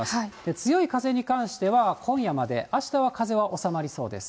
強い風に関しては今夜まで、あしたは風は収まりそうです。